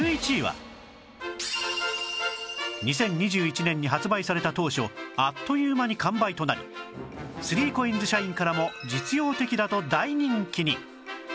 ２０２１年に発売された当初あっという間に完売となり ３ＣＯＩＮＳ 社員からも実用的だと大人気に